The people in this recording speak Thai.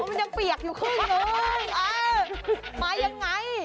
มันยังเปียกอยู่ข้างนึงมายังไง